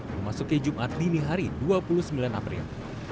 memasuki jumat dini hari dua puluh sembilan april